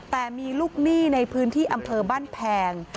แต่มีลูกหนี้ในพื้นที่อำเภอบ้านแพง